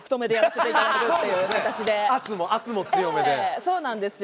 ええそうなんですよ。